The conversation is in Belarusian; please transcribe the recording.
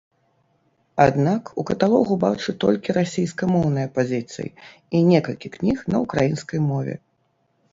Аднак у каталогу бачу толькі расейскамоўныя пазіцыі і некалькі кніг на ўкраінскай мове.